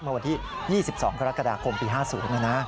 เมื่อวันที่๒๒กรกฎาคมปี๕๐นะนะ